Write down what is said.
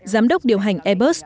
giám đốc điều hành airbus